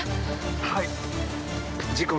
はい。